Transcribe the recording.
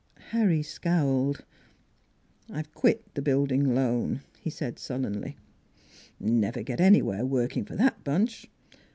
Harry scowled. " I've quit the Building Loan," he said sul lenly. " Never get anywhere working for that bunch.